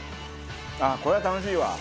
これは楽しいわ。